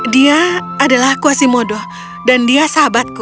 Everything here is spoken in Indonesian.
dia adalah quasimodo dan dia sahabatku